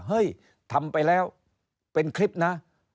เฮ้ยทำไปแล้วเป็นคลิปนะ